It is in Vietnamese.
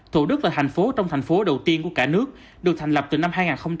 thủ đức là thành phố trong thành phố đầu tiên của cả nước được thành lập từ năm hai nghìn một mươi